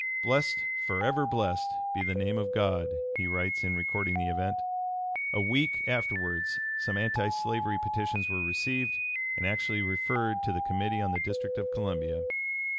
"Blessed, forever blessed, be the name of God!" he writes in recording the event. A week afterwards some anti slavery petitions were received and actually referred to the Committee on the District of Columbia.